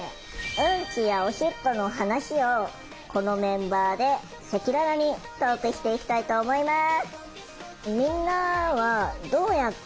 ウンチやオシッコの話をこのメンバーで赤裸々にトークしていきたいと思います。